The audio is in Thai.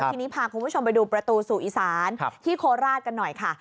ทีนี้พาคุณผู้ชมไปดูประตูสู่อีสานที่โคราชกันหน่อยค่ะ